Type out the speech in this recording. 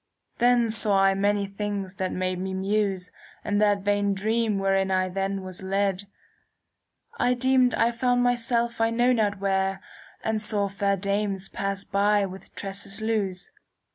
" Then saw I many things that made me muse In that vain dream wherein I then was led. I deemed I found myself I know not where, *^ And saw fair dames pass by with tresses loose.